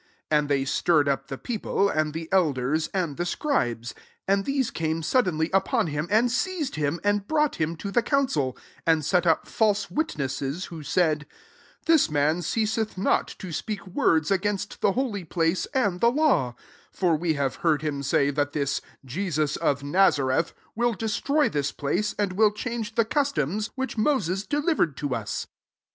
'' 12 And they stirred up the people, and the elders, and the scribes; and these came suddenly upon ^m, and seized him, and brought him to the council; 13 and set up fiedse witnesses^ who said, *' This man ceaseth not to speak words against the holy place and the law ; 14 ibr we have heard him say, that this Jesus of Nazareth wUl destroy this place, and will change the customs which Mo ses delivered to us."